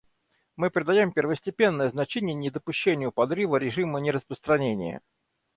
Мы придаем первостепенное значение недопущению подрыва режима нераспространения.